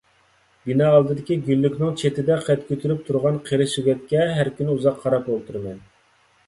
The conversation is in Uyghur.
بىنا ئالدىدىكى گۈللۈكنىڭ چېتىدە قەد كۆتۈرۈپ تۇرغان قېرى سۆگەتكە ھەر كۈنى ئۇزاق قاراپ ئولتۇرىمەن.